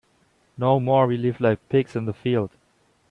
No more we live like pigs in the field.